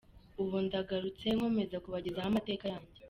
Ubu ndagarutse nkomeza kubagezaho amateka yanjye.